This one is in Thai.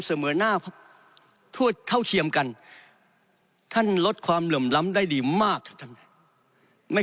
เสมือหน้าเท่าเทียมกันท่านลดความหล่มล้ำได้ดีมากไม่